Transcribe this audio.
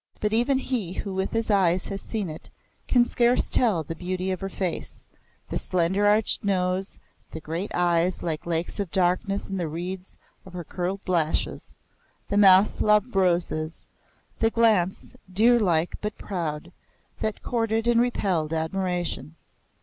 But even he who with his eyes has seen it can scarce tell the beauty of her face the slender arched nose, the great eyes like lakes of darkness in the reeds of her curled lashes, the mouth of roses, the glance, deer like but proud, that courted and repelled admiration.